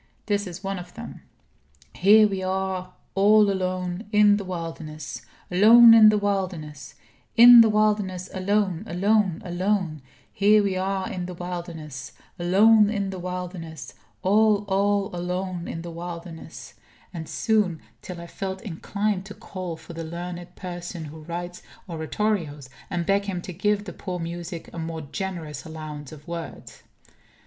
This is one of them: "Here we are all alone in the wilderness alone in the wilderness in the wilderness alone, alone, alone here we are in the wilderness alone in the wilderness all all alone in the wilderness," and soon, till I felt inclined to call for the learned person who writes Oratorios, and beg him to give the poor music a more generous allowance of words.